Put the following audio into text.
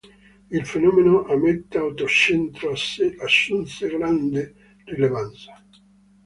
Il fenomeno a metà Ottocento assunse grande rilevanza.